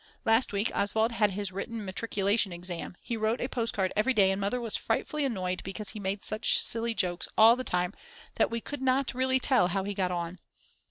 Last week Oswald had his written matriculation exam, he wrote a postcard every day and Mother was frightfully annoyed because he made such silly jokes all the time that we could not really tell how he got on.